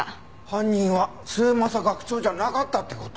犯人は末政学長じゃなかったって事？